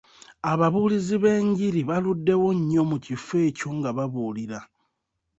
Ababuulizi b'enjiri baluddewo nnyo mu kifo ekyo nga babuulirira.